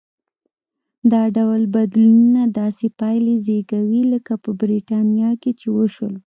دا ډول بدلونونه داسې پایلې زېږوي لکه په برېټانیا کې چې وشول.